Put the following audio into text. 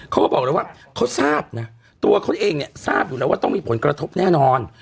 เขาก็บอกเลยว่าเขาทราบนะตัวเขาเองเนี่ยทราบอยู่แล้วว่าต้องมีผลกระทบแน่นอน